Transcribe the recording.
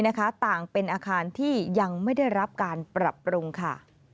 ต่างเป็นอาคารที่ยังไม่ได้รับการปรับปรุงค่ะ